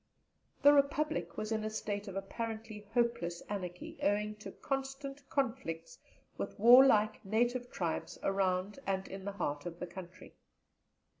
The Republic was in a state of apparently hopeless anarchy, owing to constant conflicts with warlike native tribes around and in the heart of the country.